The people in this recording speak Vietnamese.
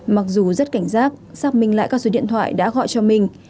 mặc dù rất cảnh giác xác minh lại các số điện thoại đã gọi cho minh